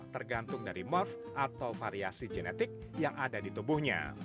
tergantung dari morf atau variasi genetik yang ada di tubuhnya